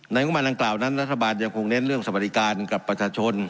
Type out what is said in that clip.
งบประมาณดังกล่าวนั้นรัฐบาลยังคงเน้นเรื่องสวัสดิการกับประชาชน